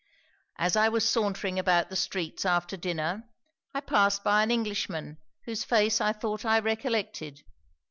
As I was sauntering about the streets after dinner, I passed by an Englishman whose face I thought I recollected.